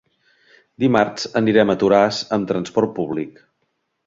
Dimarts anirem a Toràs amb transport públic.